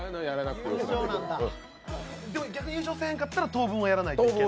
逆に優勝せんかったら、当分はやらないと。